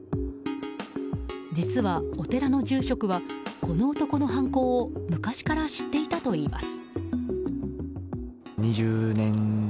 実はお寺の住職はこの男の犯行を昔から知っていたといいます。